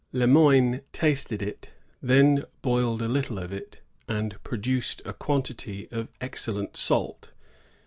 Le Moyne tasted it, then boiled a little of it, and produced a quantity of excellent salt.